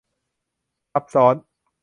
ซับซ้อน